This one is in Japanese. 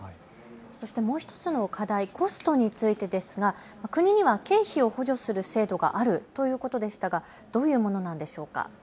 そしてもう１つの課題、コストについてですが国には経費を補助する制度があるということでしたが、どういうものなのでしょうか。